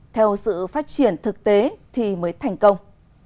theo sự phát triển thực tế thì mới thành công